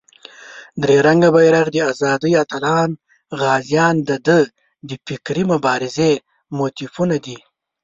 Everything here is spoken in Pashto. درې رنګه بېرغ، د آزادۍ اتلان، غازیان دده د فکري مبارزې موتیفونه دي.